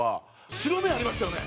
白目ありましたよね。